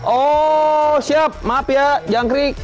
oh siap maaf ya jangkrik